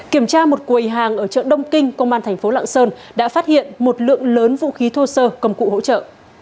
kiểm tra một quầy hàng ở chợ đông kinh công an thành phố lạng sơn đã phát hiện một lượng lớn vũ khí thô sơ công cụ hỗ trợ